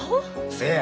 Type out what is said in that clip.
せや。